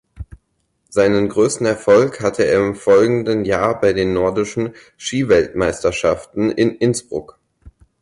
Seinen größten Erfolg hatte er im folgenden Jahr bei den Nordischen Skiweltmeisterschaften in Innsbruck.